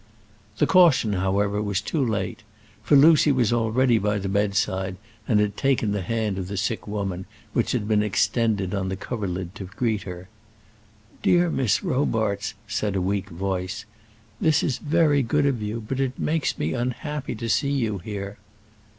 The caution, however, was too late; for Lucy was already by the bedside, and had taken the hand of the sick woman, which had been extended on the coverlid to greet her. "Dear Miss Robarts," said a weak voice; "this is very good of you; but it makes me unhappy to see you here."